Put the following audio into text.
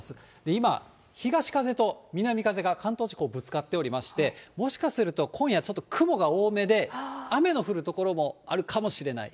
今、東風と南風が、関東地方、ぶつかっておりまして、もしかすると、今夜ちょっと雲が多めで、雨の降る所もあるかもしれない。